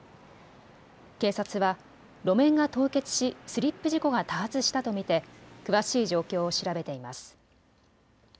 警察は路面が凍結しスリップ事故が多発したと見て詳しい状況を調べています。